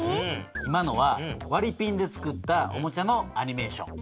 今のはわりピンでつくったおもちゃのアニメーション。